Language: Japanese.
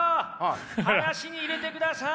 話に入れてください！